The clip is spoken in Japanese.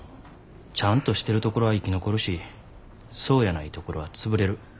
ちゃんとしてるところは生き残るしそうやないところは潰れる。